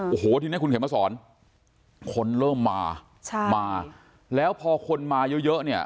โอ้โหทีนี้คุณเข็มมาสอนคนเริ่มมาใช่มาแล้วพอคนมาเยอะเยอะเนี่ย